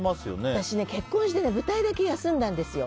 私、結婚して舞台だけ休んだんですよ。